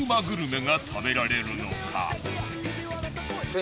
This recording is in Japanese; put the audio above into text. グルメが食べられるのか？